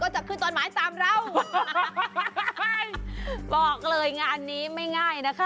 จริง